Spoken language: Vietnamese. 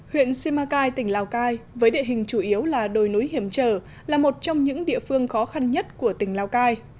huyện simacai tỉnh lào cai với địa hình chủ yếu là đồi núi hiểm trở là một trong những địa phương khó khăn nhất của tỉnh lào cai